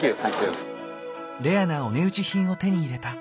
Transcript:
レアなお値打ち品を手に入れた。